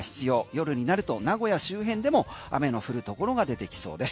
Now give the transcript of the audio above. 夜になると名古屋周辺でも雨の降るところが出てきそうです。